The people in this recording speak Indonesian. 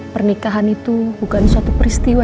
pernikahan itu bukan suatu peristiwa